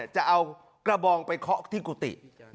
จะเอากระบองไปเคาะที่กุฏิ